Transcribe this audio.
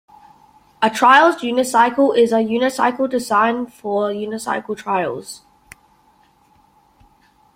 A "trials unicycle" is a unicycle designed for unicycle trials.